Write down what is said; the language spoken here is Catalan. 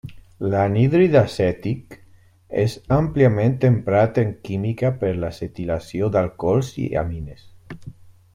L'anhídrid acètic és àmpliament emprat en química per l'acetilació d'alcohols i amines.